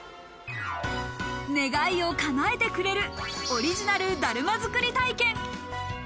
願いを叶えてくれる、オリジナルだるま作り体験。